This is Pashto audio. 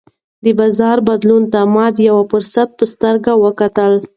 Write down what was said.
د بازار بدلون ته مې د یوه فرصت په سترګه وکتل.